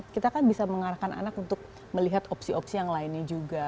kita kan bisa mengarahkan anak untuk melihat opsi opsi yang lainnya juga